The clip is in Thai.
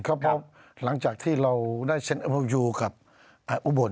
เพราะหลังจากที่เราได้เซ็นเอเวอร์ยูกับอุบล